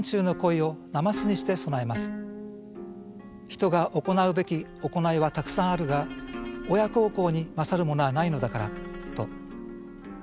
人が行うべき行いはたくさんあるが親孝行に勝るものはないのだからと。